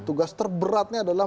tugas terberatnya adalah